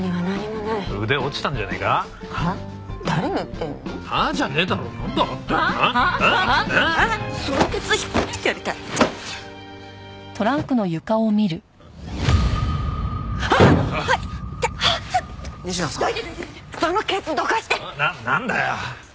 ななんだよ？